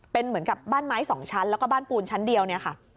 เป็นเหมือนกับบ้านไม้สองชั้นแล้วก็บ้านปูนชั้นเดียวเนี่ยค่ะ